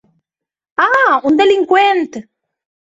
Ah, un delinqüent.